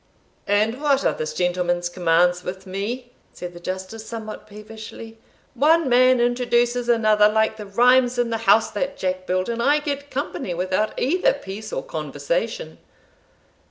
"And what are this gentleman's commands with me?" said the Justice, somewhat peevishly. "One man introduces another, like the rhymes in the 'house that Jack built,' and I get company without either peace or conversation!"